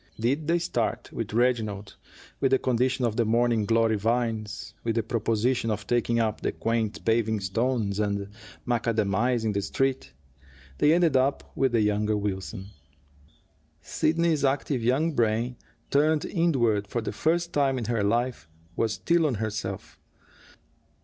Did they start with Reginald, with the condition of the morning glory vines, with the proposition of taking up the quaint paving stones and macadamizing the Street, they ended with the younger Wilson. Sidney's active young brain, turned inward for the first time in her life, was still on herself.